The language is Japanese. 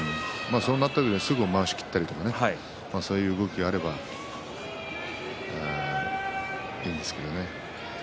そういった時はすぐまわしを切ったりそういう動きがあればいいんですけどね。